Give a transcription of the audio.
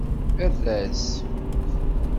Err-as.